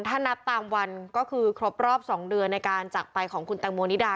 ถ้านับตามวันก็คือครบรอบ๒เดือนในการจักรไปของคุณแตงโมนิดา